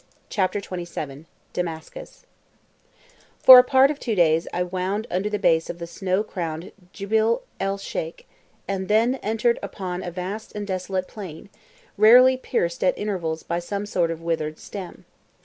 CHAPTER XXVII—DAMASCUS For a part of two days I wound under the base of the snow crowned Djibel el Sheik, and then entered upon a vast and desolate plain, rarely pierced at intervals by some sort of withered stem.